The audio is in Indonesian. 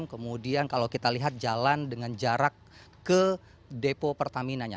kemudian kalau kita lihat jalan dengan jarak ke depo pertamina nya